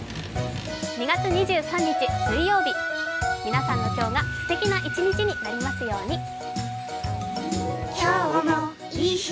２月２３日水曜日、皆さんの今日が皆さんの今日がすてきな一日になりますように。